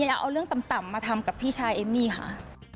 อยากเอาเรื่องต่ำมาทำกับพี่ชายเอมมี่ค่ะ